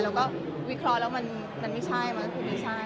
เราก็วิเคราะห์แล้วมันไม่ใช่มันก็ไม่ใช่